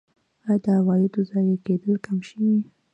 آیا د عوایدو ضایع کیدل کم شوي؟